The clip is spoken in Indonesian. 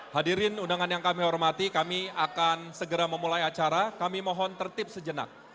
hadirin undangan yang kami hormati kami akan segera memulai acara kami mohon tertib sejenak